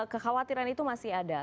kekhawatiran itu masih ada